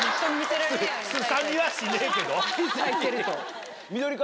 すさみはしねえけど。